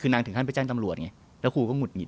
คือนางถึงขั้นไปแจ้งตำรวจไงแล้วครูก็หุดหิ